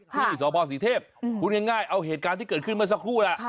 คุณผู้ชมสอบภาพสีเทพคุณง่ายเอาเหตุการณ์ที่เกิดขึ้นมาสักครู่